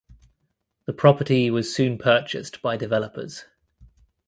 The property was soon purchased by developers.